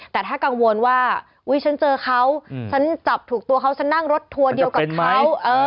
แต่ถ้ากังวลว่าอุ๊ยฉันเจอเขาฉันจับถูกตัวเขาฉันนั่งรถทัวร์เดียวกับเขา